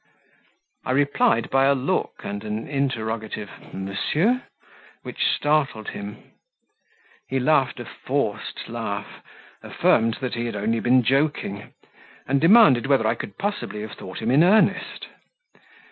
I replied by a look and an interrogative "Monsieur?" which startled him. He laughed a forced laugh, affirmed that he had only been joking, and demanded whether I could possibly have thought him in earnest.